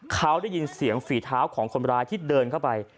เขาได้ยินเสียงฝีเท้าของคนร้ายที่เดินเข้าไป